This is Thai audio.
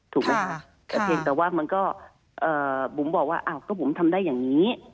แต่ว่ามันก็บุ๋มบอกว่าอ่าวก็บุ๋มทำได้อย่างนี้